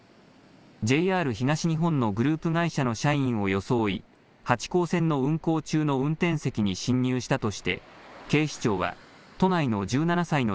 ＪＲ東日本のグループ会社の社員を装い、八高線の運行中の運転席に侵入したとして警視庁は都内の１７歳の